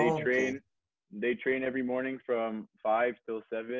mereka berlatih setiap pagi dari lima sampai tujuh